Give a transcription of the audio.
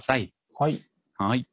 はい。